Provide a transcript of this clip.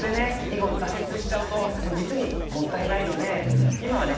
囲碁挫折しちゃうと実にもったいないので今はね